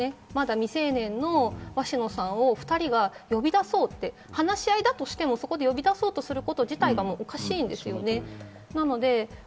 未成年の鷲野さんを２人が呼び出そうって話し合いだとしても呼び出そうとすること自体がおかしいですよね。